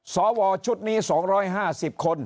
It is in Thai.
สวชุดนี้๒๕๐คน